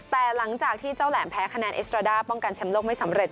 แต่หลังจากที่เจ้าแหลมแพ้คะแนนเอสตราด้าป้องกันแชมป์โลกไม่สำเร็